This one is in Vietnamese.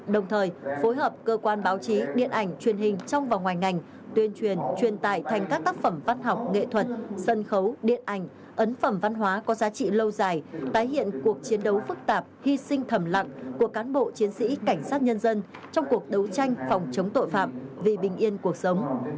đồng thời phối hợp cơ quan báo chí điện ảnh truyền hình trong và ngoài ngành tuyên truyền truyền tải thành các tác phẩm văn học nghệ thuật sân khấu điện ảnh ấn phẩm văn hóa có giá trị lâu dài tái hiện cuộc chiến đấu phức tạp hy sinh thầm lặng của cán bộ chiến sĩ cảnh sát nhân dân trong cuộc đấu tranh phòng chống tội phạm vì bình yên cuộc sống